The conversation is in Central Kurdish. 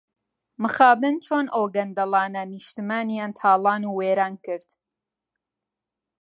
مخابن چۆن ئەو گەندەڵانە نیشتمانیان تاڵان و وێران کرد.